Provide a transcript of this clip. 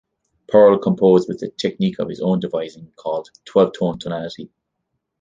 Perle composed with a technique of his own devising called "twelve-tone tonality".